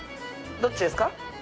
どっちですか？